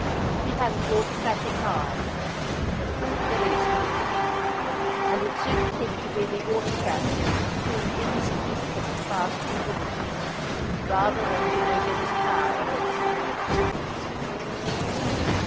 He had an autocratic mind, but it was a very small mind, and it suited him to be the autocrat of two insignificant pastoral villages, rather than to measure his power against the men of cities.